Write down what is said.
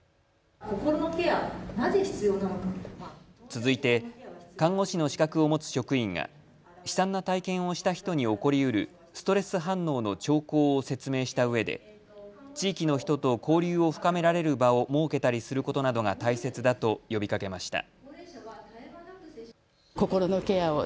続いて看護師の資格を持つ職員が悲惨な体験をした人に起こりうるストレス反応の兆候を説明したうえで地域の人と交流を深められる場を設けたりすることなどが大切だと呼びかけました。